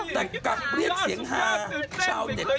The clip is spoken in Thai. แต่กลับเรียกเสียงฮาชาวเด็กตะเย็นมาก